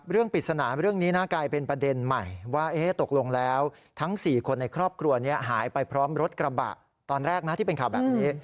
ปริศนาเรื่องนี้นะกลายเป็นประเด็นใหม่ว่าตกลงแล้วทั้ง๔คนในครอบครัวนี้หายไปพร้อมรถกระบะตอนแรกนะที่เป็นข่าวแบบนี้